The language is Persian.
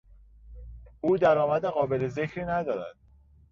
او درآمد قابل ذکری ندارد.